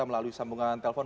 melalui sambungan telpon